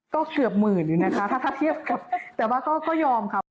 ก็เกือบหมื่นอีกนะคะถ้าเทียบเฆียบกันก็ยอมครับ